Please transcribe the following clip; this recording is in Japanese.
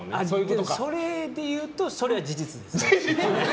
それでいうとそれは事実です。